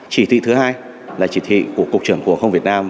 chỉ thị thứ hai là chỉ thị của cục trưởng cục hồng việt nam